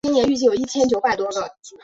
长尾景信是室町时代中期武将。